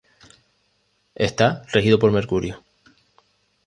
Está regido por Mercurio.